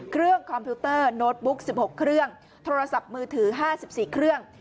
คอมพิวเตอร์โน้ตบุ๊ก๑๖เครื่องโทรศัพท์มือถือ๕๔เครื่อง